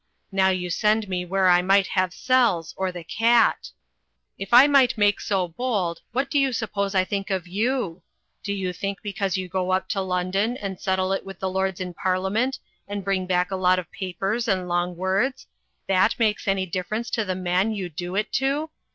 Now you send me where I might have cells or the Cat. If I might make so bold, what do you suppose I think of you? Do you think because you go up to London and settle it with lords in Parlia ment and bring back a lot of papers and long words, that makes any difference to the man you do it to?